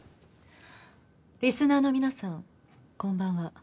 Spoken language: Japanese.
リスナーの皆さんこんばんは。